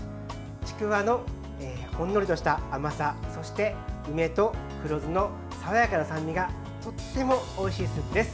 ちくわのほんのりとした甘さそして梅と黒酢の爽やかな酸味がとってもおいしいスープです。